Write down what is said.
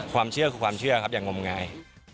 ความเชื่อคือความเชื่อครับอย่างงมงาย